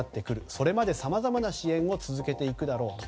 それまで、さまざまな支援を続けていくだろうと。